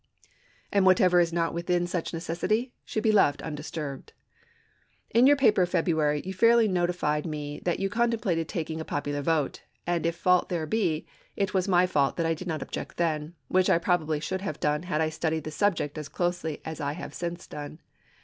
And whatever is not within such necessity should be left undisturbed. In your paper of February you fairly notified me that you contemplated taking a popular vote ; and if fault there be, it was my fault that I did not object then, which I probably should have done had I studied the subject as closely as I have since done.